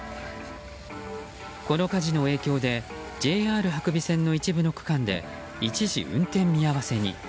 この火事の影響でＪＲ伯備線の一部の区間で一時運転見合わせに。